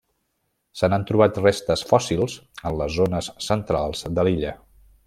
Se n'han trobat restes fòssils en les zones centrals de l'illa.